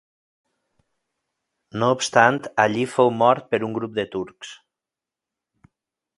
No obstant allí fou mort per un grup de turcs.